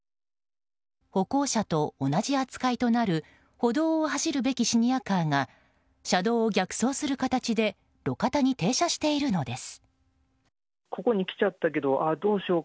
歩行者と同じ扱いとなる歩道を走るべきシニアカーが車道を逆走する形で路肩に停車しているのです。